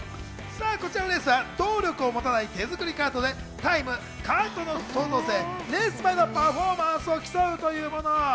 こちらのレースは動力を持たない手作りカートでタイム、カートの創造性、レース前のパフォーマンスを競うというもの。